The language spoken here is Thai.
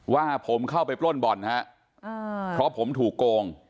ว่าผมเข้าไปปล้นบ่อนฮะเพราะผมถูกโกง